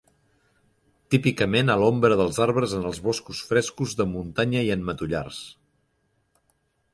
Típicament a l'ombra dels arbres en els boscos frescos de muntanya i en matollars.